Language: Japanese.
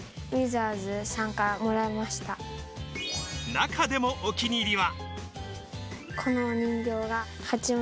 中でもお気に入りは。